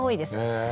へえ。